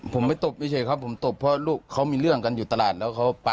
ผมโมโหเพราะลูกผมโดนสกิดแก้วครับ